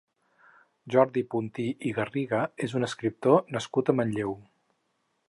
Jordi Puntí i Garriga és un escriptor nascut a Manlleu.